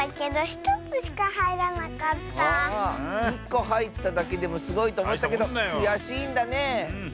１こはいっただけでもすごいとおもったけどくやしいんだね。